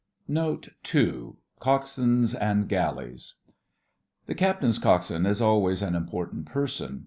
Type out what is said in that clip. NOTE II COXSWAINS AND GALLEYS The Captain's coxswain is always an important person.